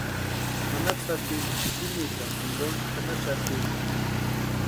Nanaka sapichu kwiniechani jinkoni chʼanaxati.